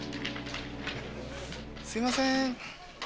すいません。